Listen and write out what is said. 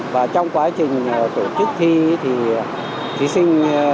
và trong quá trình tổ chức thi thì thí sinh